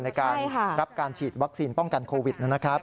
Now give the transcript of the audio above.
ในการรับการฉีดวัคซีนป้องกันโควิดนะครับ